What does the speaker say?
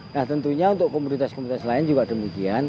nah tentunya untuk komunitas komunitas lain juga demikian